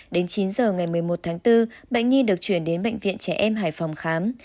đến chín giờ ngày một mươi một tháng bốn bệnh nhi được chuyển đến bệnh viện trẻ em hải phòng khám